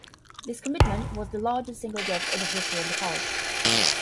This commitment was the largest single gift in the history of the College.